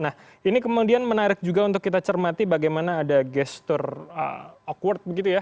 nah ini kemudian menarik juga untuk kita cermati bagaimana ada gestur akward begitu ya